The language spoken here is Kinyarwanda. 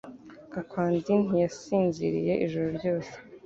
Gakwandi ntiyasinziriye ijoro ryose